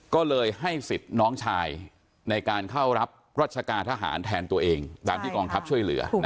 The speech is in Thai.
ก็เลยให้สิทธิ์น้องชายในการเข้ารับรัชกาทหารแทนตัวเองตามที่กองทัพช่วยเหลือ